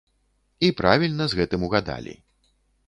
І правільна з гэтым угадалі.